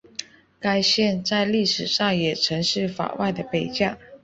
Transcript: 该线在历史上也曾是法外的北界。